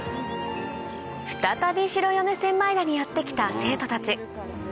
再び白米千枚田にやって来た生徒たち